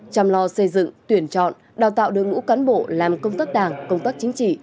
chăm lo xây dựng tuyển chọn đào tạo đối ngũ cán bộ làm công tác đảng công tác chính trị